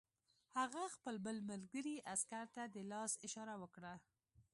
هغه خپل بل ملګري عسکر ته د لاس اشاره وکړه